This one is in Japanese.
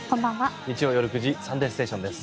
日曜夜９時「サンデーステーション」です。